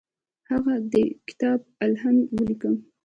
هغه د کتاب الهند ولیکه.